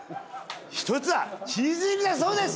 １つはチーズ入りだそうです。